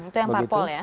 itu yang parpol ya